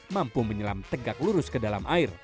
mampu menyelam tegak lurus ke dalam air